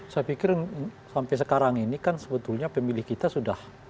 saya pikir sampai sekarang ini kan sebetulnya pemilih kita sudah